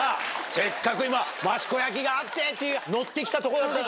せっかく今益子焼があってって乗ってきたとこだったのにな。